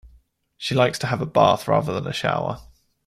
She likes to have a bath rather than a shower